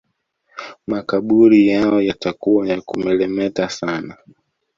Makaburi yao yatakuwa ya kumelemeta sana